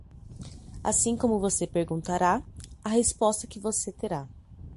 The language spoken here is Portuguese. Assim como você perguntará, a resposta que você terá.